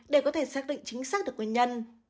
để có thể xác định chính xác được nguyên nhân